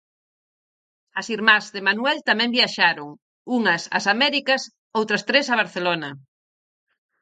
As irmás de Manuel tamén viaxaron: unhas ás Américas, outras tres a Barcelona.